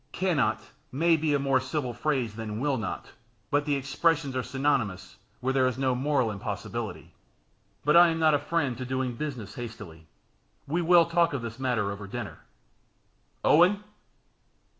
"Can not may be a more civil phrase than will not, but the expressions are synonymous where there is no moral impossibility. But I am not a friend to doing business hastily; we will talk this matter over after dinner. Owen!"